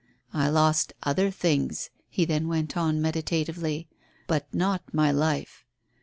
"I lost other things," he then went on meditatively, "but not my life.